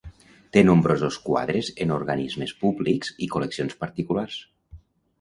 Té nombrosos quadres en organismes públics i col·leccions particulars.